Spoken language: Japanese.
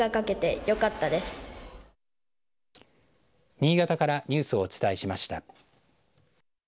新潟からニュースをお伝えしました。